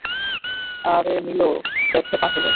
আরে মিলো, দেখে পা ফেল।